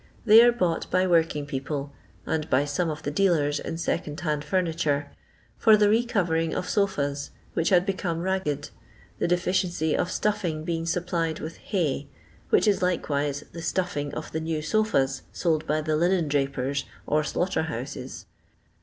They are bought by working people (and by some of the dealers in second hand furniture) for the re cover ing of sofas, which had become ragged, the defi ciency of stuffing being supplied with hay (which is likewise the " stuffing " of the new sofas sold by the " linen drapers," or " slaughter houses."